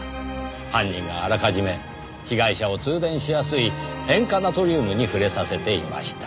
犯人はあらかじめ被害者を通電しやすい塩化ナトリウムに触れさせていました。